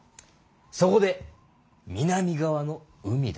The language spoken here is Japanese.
そこで南側の海だ。